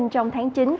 trong tháng chín